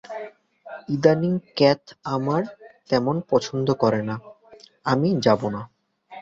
ইদানীং ক্যাথ আমায় তেমন পছন্দ করে না, তাই আমি যাবো না।